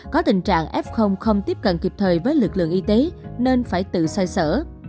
có tình trạng f không tiếp cận kịp thời với lực lượng y tế nên phải tự xoay sở